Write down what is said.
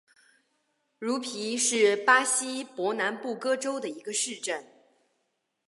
茹皮是巴西伯南布哥州的一个市镇。